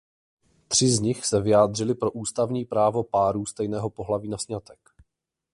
Tři z nich se vyjádřili pro ústavní právo párů stejného pohlaví na sňatek.